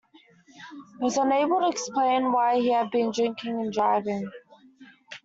He was unable to explain why he had been drinking and driving